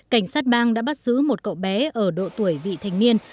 cảnh sát bang đã bắt giữ một cậu bé ở độ tuổi vị thành niên